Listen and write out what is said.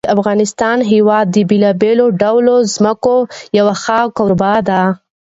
د افغانستان هېواد د بېلابېلو ډولو ځمکو یو ښه کوربه دی.